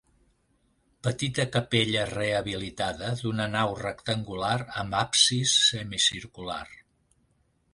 Petita capella rehabilitada d'una nau rectangular amb absis semicircular.